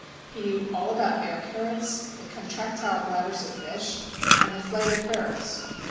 He knew all about air currents, the contractile bladders of fish, and the flight of birds.